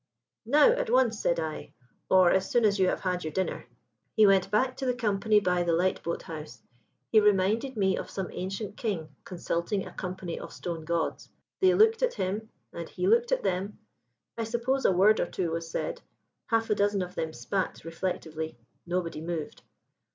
"'Now, at once,' said I; 'or as soon as you have had your dinner.' "He went back to the company by the lifeboat house. He reminded me of some ancient king consulting a company of stone gods. They looked at him, and he looked at them. I suppose a word or two was said; half a dozen of them spat reflectively; nobody moved.